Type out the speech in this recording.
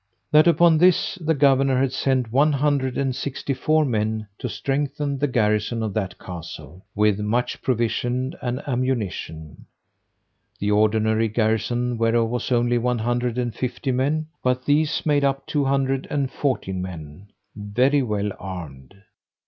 That upon this, the governor had sent one hundred and sixty four men to strengthen the garrison of that castle, with much provision and ammunition; the ordinary garrison whereof was only one hundred and fifty men, but these made up two hundred and fourteen men, very well armed.